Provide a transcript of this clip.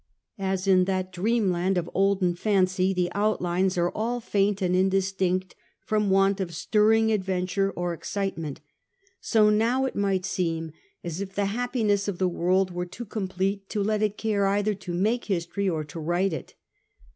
As in that dreamland of olden fancy the out lines are all faint and indistinct from want of Stirling adventure or excitement, so now it might seem as if the 74 The Age of the Antonines, a. d. happiness of the world were too complete to let it care either to make history or to write it.